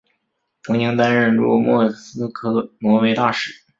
曾经担任驻莫斯科挪威大使。